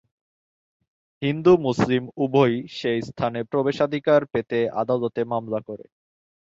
হিন্দু-মুসলিম উভয়ই সে স্থানে প্রবেশাধিকার পেতে আদালতে মামলা করে।